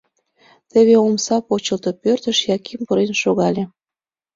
Теве омса почылто, пӧртыш Яким пурен шогале.